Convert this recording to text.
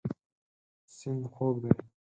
سیند خوږ دی.